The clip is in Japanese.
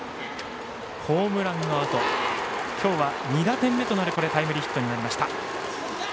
ホームランのあと今日は２打点目となるタイムリーヒットになりました。